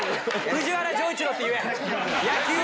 藤原丈一郎って言え！